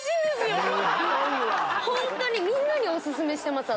本当にみんなにお薦めしてます。